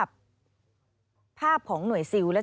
สวัสดีค่ะสวัสดีค่ะ